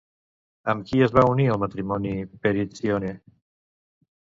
Amb qui es va unir en matrimoni Perictione?